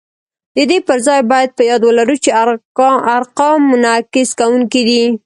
د دې پر ځای باید په یاد ولرو چې ارقام منعکس کوونکي دي